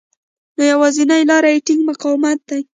نو يوازېنۍ لاره يې ټينګ مقاومت دی.